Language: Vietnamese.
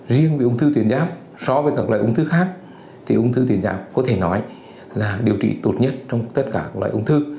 riêng bị ung thư tuyến giáp so với các loại ung thư khác thì ung thư tuyến giáp có thể nói là điều trị tốt nhất trong tất cả các loại ung thư